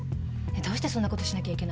どうしてそんなことしなきゃ？